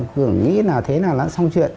cứ nghĩ thế nào là xong chuyện